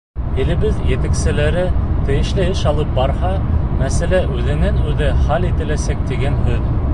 Илебеҙ етәкселәре тейешле эш алып барһа, мәсьәлә үҙенән-үҙе хәл ителәсәк тигән һүҙ.